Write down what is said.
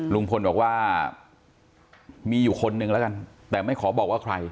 ลุงพลบอกว่ามีอยู่คนนึงแล้วกันแต่ไม่ขอบอกว่าใคร